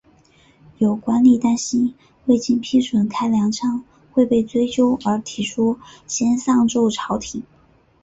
有官吏担心未经批准开粮仓会被追究而提出先上奏朝廷。